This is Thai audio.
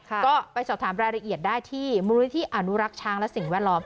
ก็ไปสอบถามรายละเอียดได้ที่มูลนิธิอนุรักษ์ช้างและสิ่งแวดล้อม